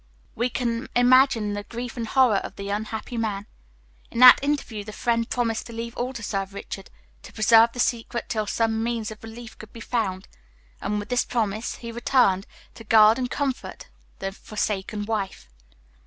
We can imagine the grief and horror of the unhappy man. In that interview the friend promised to leave all to Sir Richard, to preserve the secret till some means of relief could be found; and with this promise he returned, to guard and comfort the forsaken wife.